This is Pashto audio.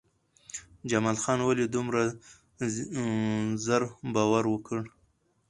جمال خان ولې دومره زر باور وکړ؟